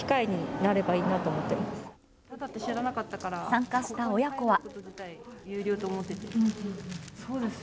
参加した親子は。